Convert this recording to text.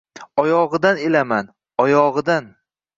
Oyogʻidan ilaman, oyogʻidan…